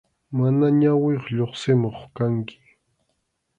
Mana ñawiyuq lluqsimuq kanki.